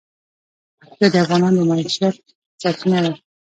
پکتیا د افغانانو د معیشت سرچینه ده.